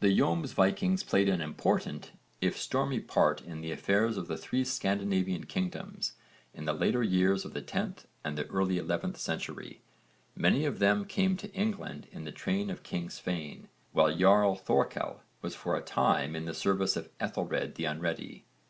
The Jómsvikings played an important if stormy part in the affairs of the three Scandinavian kingdoms in the later years of the 10th and the early 11th century. Many of them came to England in the train of king Svein, while Jarl Thorkell was for a time in the service of Ethelred the Unready.